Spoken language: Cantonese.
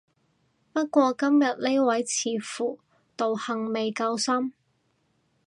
不過今日呢位似乎道行未夠深